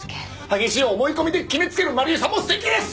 激しい思い込みで決めつける真理絵さんも素敵です！